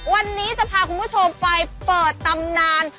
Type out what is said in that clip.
วันนี้จะพาคุณผู้ชมไปเปิดตำนาน